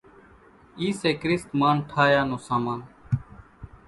اِي سي ڪريست مان نين ٺاھيا نون سامان